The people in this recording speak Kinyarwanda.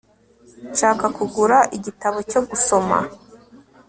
nshaka kugura igitabo cyo gusoma